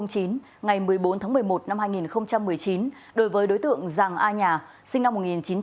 ngày một mươi bốn tháng một mươi một năm hai nghìn một mươi chín đối với đối tượng giàng a nhà sinh năm một nghìn chín trăm tám mươi